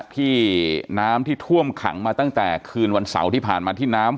ที่น้ำที่ท่วมขังมาตั้งแต่คืนวันเสาร์ที่ผ่านมาที่น้ำ